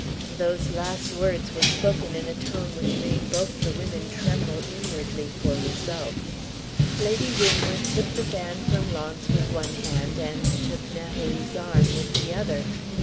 Those last words were spoken in a tone which made both the women tremble inwardly for results. Lady Winwood took the fan from Launce with one hand, and took Natalie's arm with the other.